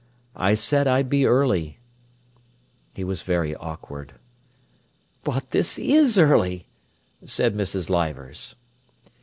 "I said I'd be early." He was very awkward. "But this is early," said Mrs. Leivers.